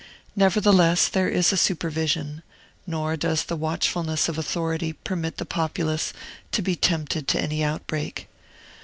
Nevertheless, there is a supervision; nor does the watchfulness of authority permit the populace to be tempted to any outbreak.